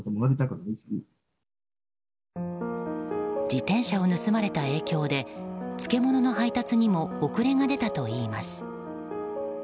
自転車を盗まれた影響で漬物の配達にも遅れが出たといいます。